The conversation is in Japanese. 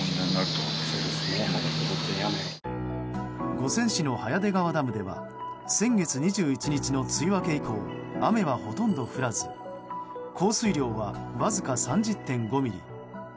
五泉市の早出川ダムでは先月２１日の梅雨明け以降雨はほとんど降らず降水量はわずか３０．５ミリ。